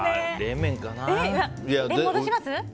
戻します？